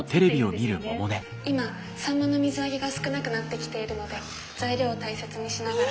「今サンマの水揚げが少なくなってきているので材料を大切にしながら」。